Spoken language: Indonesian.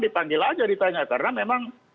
dipanggil aja ditanya karena memang